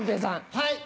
はい。